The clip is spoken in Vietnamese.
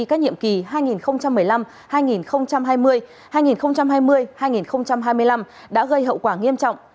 các nhiệm kỳ hai nghìn một mươi năm hai nghìn hai mươi hai nghìn hai mươi hai nghìn hai mươi năm đã gây hậu quả nghiêm trọng